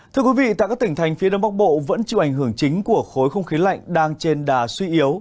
thưa quý vị tại các tỉnh thành phía đông bắc bộ vẫn chịu ảnh hưởng chính của khối không khí lạnh đang trên đà suy yếu